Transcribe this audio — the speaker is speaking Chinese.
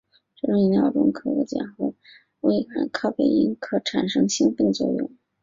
这种饮料中的可可碱和微量咖啡因可产生兴奋作用。